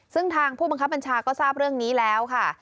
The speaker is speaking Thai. ซึ่งทางผู้บังคับบัญชาก็ทราบเรื่องนี้แล้วค่ะ